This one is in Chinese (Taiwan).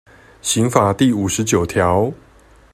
刑法第五十九條